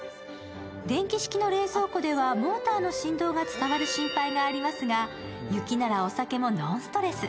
電気式の冷蔵庫ではモーターの振動が伝わる心配がありますが雪ならお酒もノンストレス。